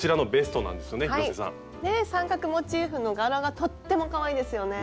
ねえ三角モチーフの柄がとってもかわいいですよね。